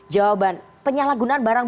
jawaban penyalahgunaan barang